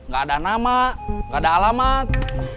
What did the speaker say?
gak ada nama gak ada alamat